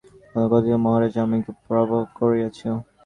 তখন যক্ষ কহিল মহারাজ তুমি আমাকে পরাভব করিয়াছ।